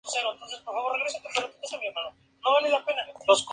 Se conmemora el momento en que Cristo murió en la cruz.